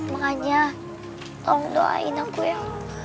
makanya tolong doain aku ya